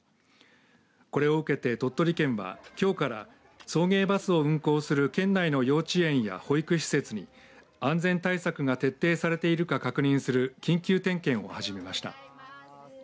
これを受けて鳥取県は、きょうから送迎バスを運行する県内の幼稚園や保育施設に安全対策が徹底されているか確認する緊急点検を始めました。